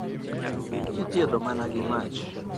Mach ithiedho mana gi mach.